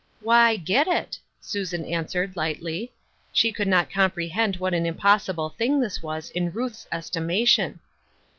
" Why, get it," Susan answered, lightly. She could not comprehend what an impossible thing this was in Ruth's estimation.